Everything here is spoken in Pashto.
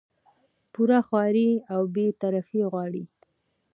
پوره خواري او بې طرفي غواړي